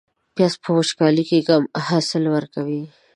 پیاز په وچکالو کې کم حاصل ورکوي